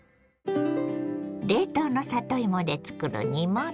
冷凍の里芋で作る煮物。